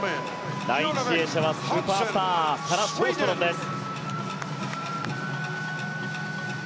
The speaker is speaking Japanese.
第１泳者はスーパースターサラ・ショーストロムです。